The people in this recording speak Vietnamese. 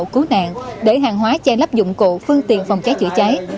cứu nạn để hàng hóa che lắp dụng cụ phương tiện phòng trái chữa trái